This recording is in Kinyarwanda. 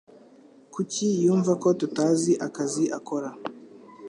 Kuki yumvako tutazi akazi akora